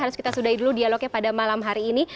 harus kita sudahi dulu dialognya pada malam hari ini